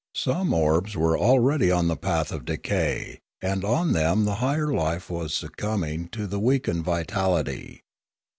Some orbs were already on the path of decay ; and on them the higher life was succumbing to the weakened vitality.